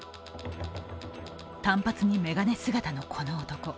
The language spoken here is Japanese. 短髪に眼鏡姿のこの男。